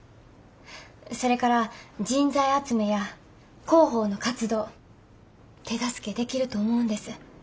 それから人材集めや広報の活動手助けできると思うんです。